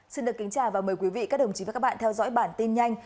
xin được kính chào và mời quý vị các đồng chí và các bạn theo dõi bản tin nhanh